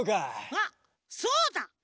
あっそうだ！